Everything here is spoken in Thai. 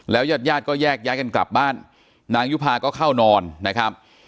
ยาดก็แยกย้ายกันกลับบ้านนางยุภาก็เข้านอนนะครับ